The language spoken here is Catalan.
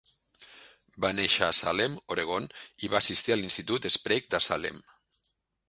Va néixer a Salem (Oregon) i va assistir a l'Institut Sprague de Salem.